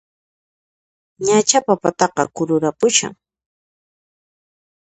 Ñachá papataqa kururanpushan!